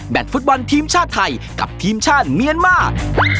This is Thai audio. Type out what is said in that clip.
ฟุตบอลทีมชาติไทยกับทีมชาติเมียนมาร์